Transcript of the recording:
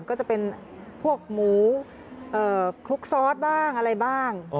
ก็จะเป็นพวกหมูคลุกซอสบ้างอะไรบ้าง